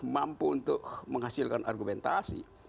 mampu untuk menghasilkan argumentasi